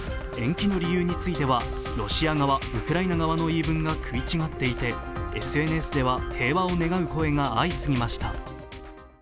延期の理由についてはロシア側、ウクライナ側の言い分が食い違っていてＳＮＳでは平和を願う声が相次ぎました。